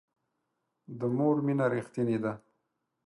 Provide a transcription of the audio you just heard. د مور مینه ریښتینې ده